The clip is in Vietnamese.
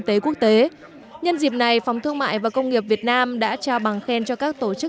tế quốc tế nhân dịp này phòng thương mại và công nghiệp việt nam đã trao bằng khen cho các tổ chức